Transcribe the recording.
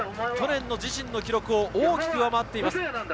去年の自身の記録を大きく上回っています。